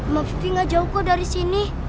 mama vivi gak jauh kok dari sini